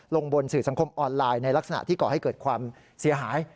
ลงบนสื่อสังคมออนไลน์ในลักษณะที่ก่อให้เกิดความเสียหาย